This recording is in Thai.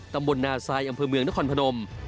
ตำบนหน้าทรายอำเปอร์เมืองนครพนม